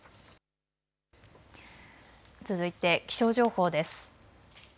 続いて気象情報です。